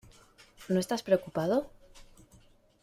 ¿ No estás preocupado?